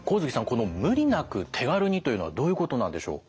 この「無理なく手軽に」というのはどういうことなんでしょう？